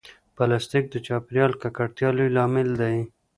پلاستيک د چاپېریال د ککړتیا لوی لامل دی.